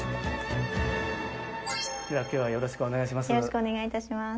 では今日はよろしくお願いします。